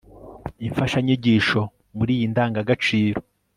imfashanyigisho muri iyi ndangagaciro